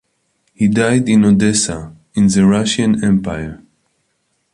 He died in Odessa in the Russian Empire.